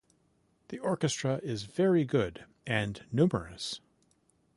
The orchestra is very good and numerous.